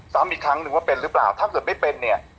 ซ้ำอีกครั้งนึงว่าเป็นหรือเปล่าถ้าเกิดไม่เป็นเนี่ย